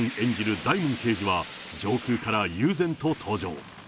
大門刑事は、上空から悠然と登場。